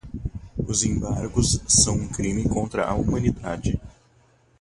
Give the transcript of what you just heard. os embargos são um crime contra a humanidade